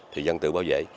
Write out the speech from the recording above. thì dân tự bảo vệ